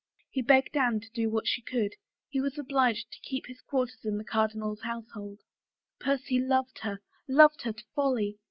He begged Anne to do what she could; he was obliged to keep his quarters in the cardi nal's household. Percy loved her — loved her to folly.